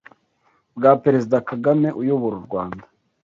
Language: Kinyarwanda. bwa Perezida Kagame uyobora u Rwanda